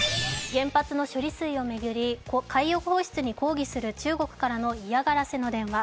原発の処理水を巡り、海洋放出に抗議する中国からの嫌がらせの電話。